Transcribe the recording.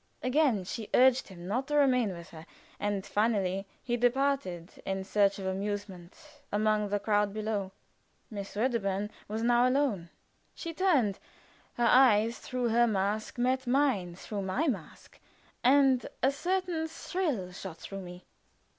Again she urged him not to remain with her, and finally he departed in search of amusement among the crowd below. Miss Wedderburn was now alone. She turned; her eyes, through her mask, met mine through my mask, and a certain thrill shot through me.